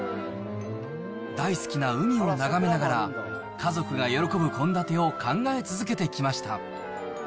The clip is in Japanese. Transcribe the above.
大好きな海を眺めながら、家族が喜ぶ献立を考え続けてきました。